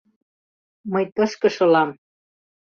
Мый тышке шылам.